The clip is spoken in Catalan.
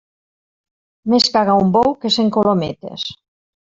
Més caga un bou, que cent colometes.